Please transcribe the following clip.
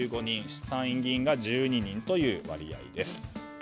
参議院議員が１２人という割合です。